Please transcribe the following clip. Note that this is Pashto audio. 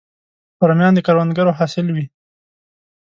رومیان د کروندګرو حاصل وي